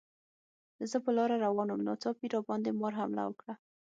زه په لاره روان وم، ناڅاپي راباندې مار حمله وکړه.